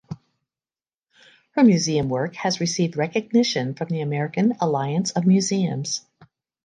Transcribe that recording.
Her museum work has received recognition from the American Alliance of Museums.